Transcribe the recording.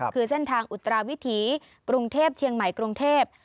คือเส้นทางอุตราวิถีกรุงเทพเชียงใหม่กรุงเทพ